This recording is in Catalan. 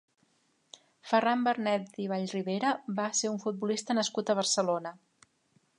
Ferran Barnet i Vallribera va ser un futbolista nascut a Barcelona.